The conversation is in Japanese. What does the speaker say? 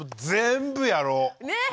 全部やろう。ね！